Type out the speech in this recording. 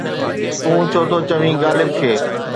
تون ڇو ٿو چوين غالب کي؟